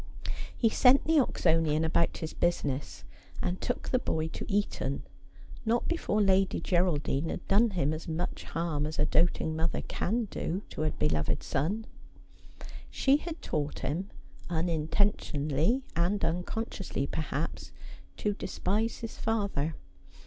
He sent the Oxonian about his business, and took the boy to Eton, not before Lady Geraldine had done him as much harm as a doting mother can do to a beloved son. She had taught him, unintentionally and unconsciously, perhaps, to despise his father.